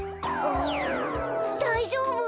だいじょうぶ？